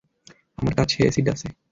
আমার কাছে এসিড আছে।